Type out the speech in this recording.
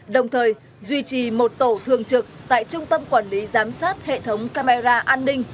đồng thời duy trì một tổ thường trực tại trung tâm quản lý giám sát hệ thống camera an ninh